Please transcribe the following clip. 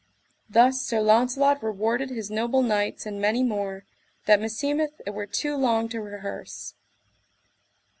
Thus Sir Launcelot rewarded his noble knights and many more, that meseemeth it were too long to rehearse.